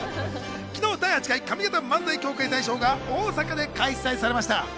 昨日、第八回上方漫才協会大賞が大阪で開催されました。